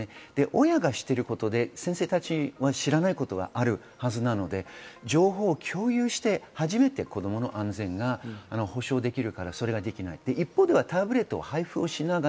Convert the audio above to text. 親が知っていることで先生が知らないことはあるはずなので情報を共有して初めて子供の安全が保障できます。